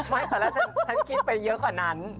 ไม่ค่ะแล้วฉันคิดไปเยอะกว่านั้น